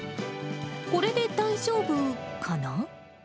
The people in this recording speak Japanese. これで大丈夫かな？